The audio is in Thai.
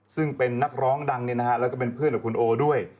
ซึ่งเป็นนักร้องดังแล้วก็เป็นเพื่อนกับคุณโอด้วย